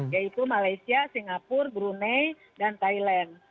yaitu malaysia singapura brunei dan thailand